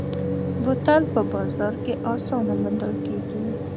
بوتل په بازار کې اسانه موندل کېږي.